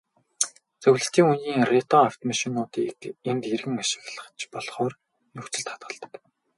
Зөвлөлтийн үеийн ретро автомашинуудыг энд эргэн ашиглаж болохоор нөхцөлд хадгалдаг.